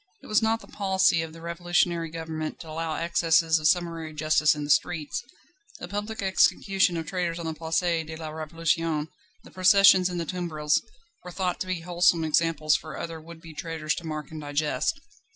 It was not the policy of the revolutionary government to allow excesses of summary justice in the streets: the public execution of traitors on the Place de la Révolution, the processions in the tumbrils, were thought to be wholesome examples for other would be traitors to mark and digest.